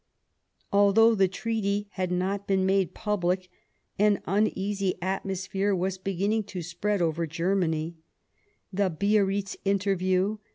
Although the treaty had not been made public, an uneasy atmosphere was beginning to spread over Germany ; the Biarritz interview.